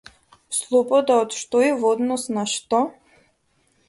Слобода од што и во однос на што?